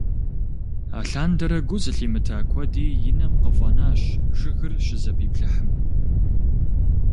Алъандэрэ гу зылъимыта куэди и нэм къыфӀэнащ жыгыр щызэпиплъыхьым.